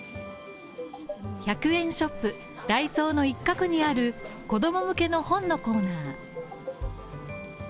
１００円ショップ、ダイソーの一角にある子供向けの本のコーナー。